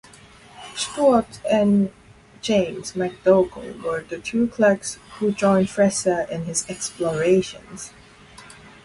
Stuart and James McDougall were the two clerks who joined Fraser in his explorations.